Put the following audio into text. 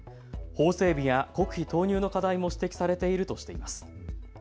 法整備や国費投入の課題も指摘されているとしています。